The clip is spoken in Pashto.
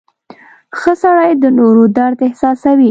• ښه سړی د نورو درد احساسوي.